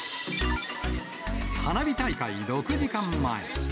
花火大会６時間前。